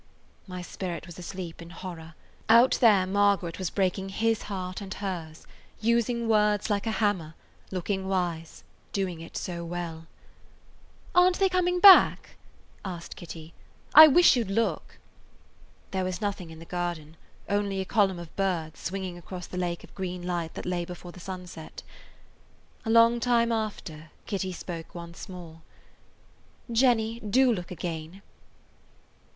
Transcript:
My spirit was asleep in horror. Out there Margaret was breaking his heart [Page 183] and hers, using words like a hammer, looking wise, doing it so well. "Are n't they coming back?" asked Kitty. "I wish you 'd look." There was nothing in the garden; only a column of birds swinging across the lake of green light that lay before the sunset. A long time after Kitty spoke once more: "Jenny, do look again."